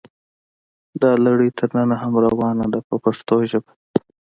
دا لړۍ تر ننه هم روانه ده په پښتو ژبه.